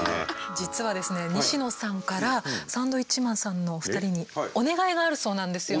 実はですね西野さんからサンドウィッチマンさんのお二人にお願いがあるそうなんですよね？